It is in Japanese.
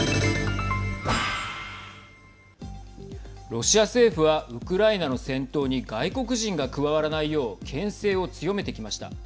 ロシア政府はウクライナの戦闘に外国人が加わらないようけん制を強めてきました。